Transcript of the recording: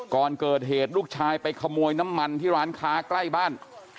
ก่อนเกิดเหตุลูกชายไปขโมยน้ำมันที่ร้านค้าใกล้บ้าน